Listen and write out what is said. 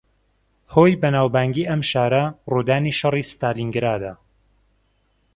ھۆی بەناوبانگی ئەم شارە، ڕوودانی شەڕی ستالینگرادە